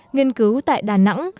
nghiên cứu tại đà nẵng